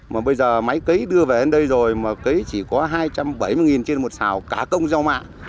mà bây giờ máy cấy đưa về đến đây rồi mà cấy chỉ có hai trăm bảy mươi trên một xào cả công rau mạng